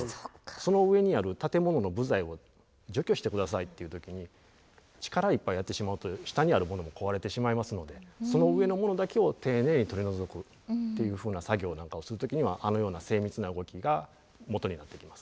その上にある建物の部材を除去して下さいっていう時に力いっぱいやってしまうと下にあるものも壊れてしまいますのでその上のものだけを丁寧に取り除くっていうふうな作業なんかをする時にはあのような精密な動きが基になってきます。